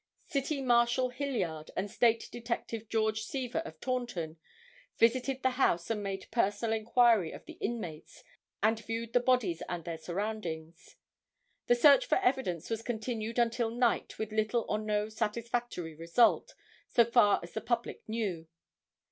City Marshal Hilliard and State Detective George Seaver of Taunton, visited the house and made personal inquiry of the inmates, and viewed the bodies and their surroundings. The search for evidence was continued until night with little or no satisfactory result, so far as the public knew.